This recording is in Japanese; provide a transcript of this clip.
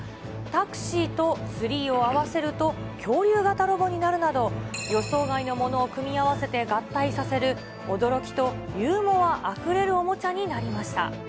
タクシーとツリーを合わせると、恐竜型ロボになるなど、予想外のものを組み合わせて合体させる、驚きとユーモアあふれるおもちゃになりました。